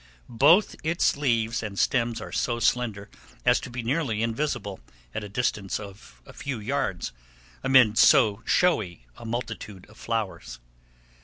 Both its leaves and stems are so slender as to be nearly invisible, at a distance of a few yards, amid so showy a multitude of flowers.